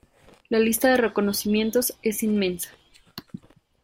La lista de reconocimientos es inmensa.